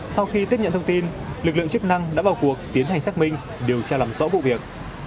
sau khi tiếp nhận thông tin lực lượng chức năng đã vào cuộc tiến hành xác minh điều tra làm rõ vụ việc